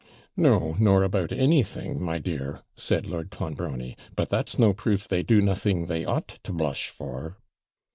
'No, nor about anything, my dear,' said Lord Clonbrony; 'but that's no proof they do nothing they ought to blush for.'